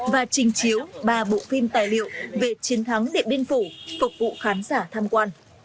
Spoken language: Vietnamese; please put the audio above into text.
và trình chiếu ba bộ phim tài liệu về chiến thắng điện biên phủ phục vụ khán giả tham quan